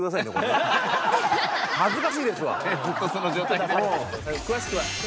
ずっとその状態で。